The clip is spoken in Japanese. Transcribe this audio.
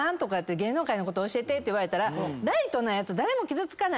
「芸能界のこと教えて」って言われたらライトなやつ。